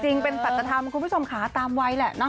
จริงเป็นสัจธรรมคุณผู้ชมค่ะตามวัยแหละเนาะ